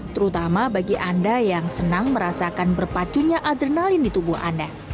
terutama bagi anda yang senang merasakan berpacunya adrenalin di tubuh anda